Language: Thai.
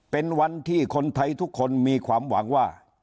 เป็นวันที่คนไทยทุกคนมีความหวังว่า